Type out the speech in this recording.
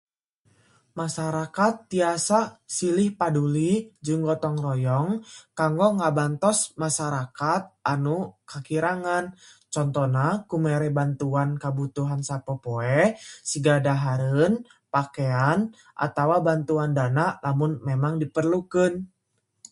Masarakat tiasa silih paduli jeung gotong royong kanggo ngabantos masarakat anu kakirangan. Contona ku mere bantuan kabutuhan sapopoe siga dahareun, pakean, atawa bantuan dana lamun memang diperlukeun.